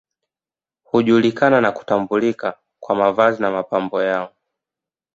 Hujulikana na kutambulika kwa mavazi na mapambo yao